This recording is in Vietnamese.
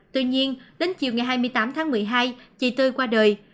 tuy nhiên đến chiều ngày hai mươi tám tháng một mươi hai chị tươi qua đời